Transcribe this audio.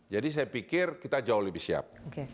jadi saya pikir kita jauh lebih siap